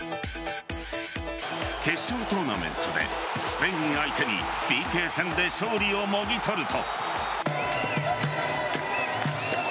決勝トーナメントでスペイン相手にＰＫ戦で勝利をもぎとると。